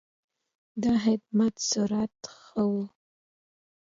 د خدمت سرعت ښه و.